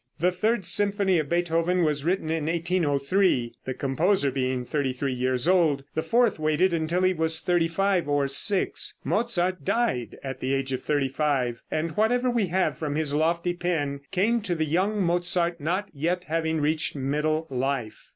The third symphony of Beethoven was written in 1803, the composer being thirty three years old; the fourth waited until he was thirty five or six. Mozart died at the age of thirty five, and whatever we have from his lofty pen came to the young Mozart, not yet having reached middle life.